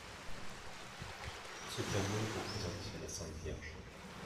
Ce tableau représente la Sainte Vierge.